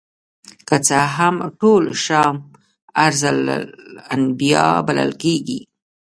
که څه هم ټول شام ارض الانبیاء بلل کیږي.